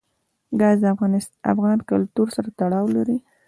ګاز د افغان کلتور سره تړاو لري.